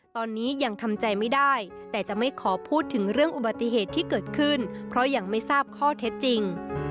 ตอนนี้ยังทำใจไม่ได้แต่จะไม่ขอพูดถึงเรื่องอุบัติเหตุที่เกิดขึ้นเพราะยังไม่ทราบข้อเท็จจริง